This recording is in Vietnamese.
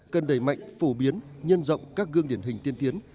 cân đầy mạnh phổ biến nhân rộng các gương điển hình tiên tiến